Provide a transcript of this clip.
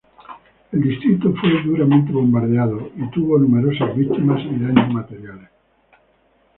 El distrito fue duramente bombardeado y hubo numerosas víctimas y daños materiales.